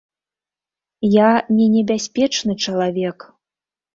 Я не небяспечны чалавек!